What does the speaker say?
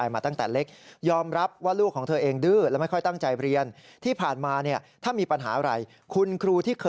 บอกว่านานจะกลับมาบ้านที